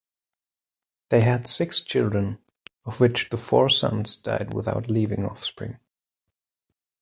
They had six children of which the four sons died without leaving offspring.